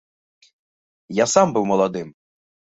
Я сам быў маладым!